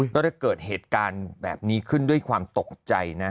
ก็จะเกิดเหตุการณ์แบบนี้ขึ้นด้วยความตกใจนะ